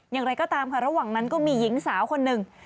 อย่างไรก็ตามค่ะระหว่างนั้นก็มีหญิงสาวคนหนึ่ง